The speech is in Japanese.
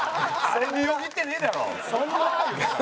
あれでよぎってねえだろ！